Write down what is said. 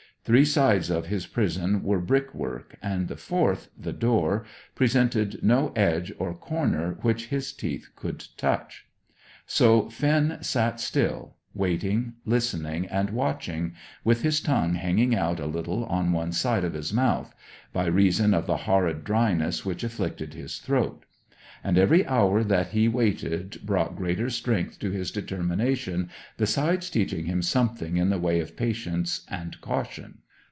Three sides of his prison were brick work, and the fourth, the door, presented no edge or corner which his teeth could touch. So Finn sat still, waiting, listening, and watching, with his tongue hanging out a little on one side of his mouth, by reason of the horrid dryness which afflicted his throat. And every hour that he waited brought greater strength to his determination, besides teaching him something in the way of patience and caution.